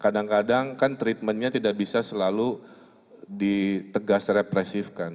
kadang kadang kan treatmentnya tidak bisa selalu ditegas represifkan